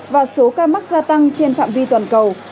và số ca mắc gia tăng trên phạm vi toàn cầu